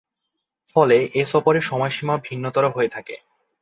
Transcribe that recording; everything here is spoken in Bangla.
ফলে, এ সফরের সময়সীমা ভিন্নতর হয়ে থাকে।